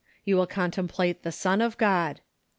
You will contemplate the Son of God.